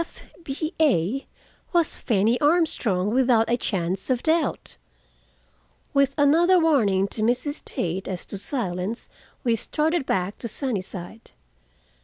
F. B. A. was Fanny Armstrong, without a chance of doubt! With another warning to Mrs. Tate as to silence, we started back to Sunnyside.